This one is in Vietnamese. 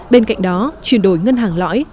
bên cạnh đó chuyển đổi ngân hàng lõi